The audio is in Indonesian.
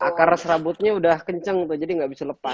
akar serabutnya udah kenceng tuh jadi nggak bisa lepas